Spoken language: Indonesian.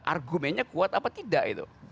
argumennya kuat apa tidak